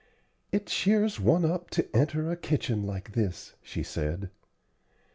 "It cheers one up to enter a kitchen like this," she said.